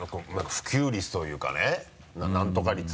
普及率というかね何とか率？